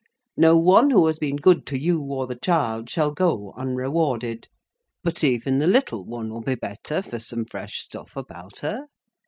No one who has been good to you or the child shall go unrewarded. But even the little one will be better for some fresh stuff about her.